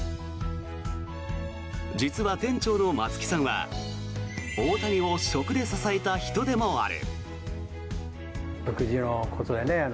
実は店長の松木さんは大谷を食で支えた人でもある。